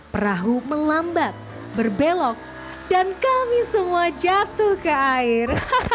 perahu melambat berbelok dan kami semua jatuh ke air